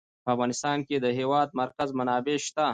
په افغانستان کې د د هېواد مرکز منابع شته.